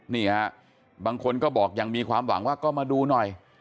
นี่ฮะบางคนก็บอกยังมีความหวังว่าก็มาดูหน่อย